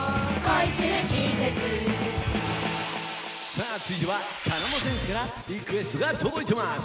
さあつづいては茶の間戦士からリクエストがとどいてます。